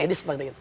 jadi seperti itu